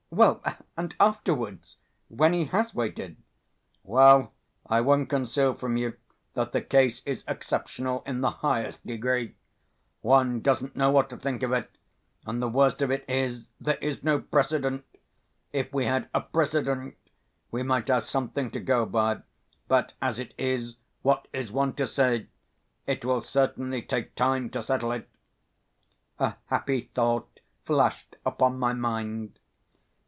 "Well, and afterwards, when he has waited?" "Well, I won't conceal from you that the case is exceptional in the highest degree. One doesn't know what to think of it, and the worst of it is there is no precedent. If we had a precedent we might have something to go by. But as it is, what is one to say? It will certainly take time to settle it." A happy thought flashed upon my mind.